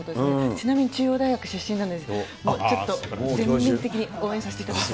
ちなみに中央大学出身なんで、ちょっと、全面的に応援させていただきたい。